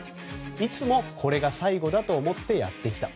いつもこれが最後だと思ってやってきた。